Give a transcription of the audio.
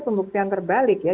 pembuktian terbalik ya